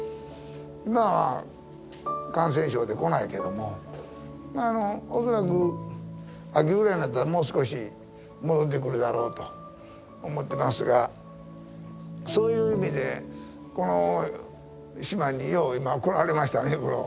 今は感染症で来ないけどもまあ恐らく秋ぐらいになったらもう少し戻ってくるだろうと思ってますがそういう意味でこの島によう今来られましたね。